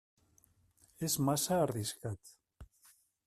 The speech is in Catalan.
És massa arriscat.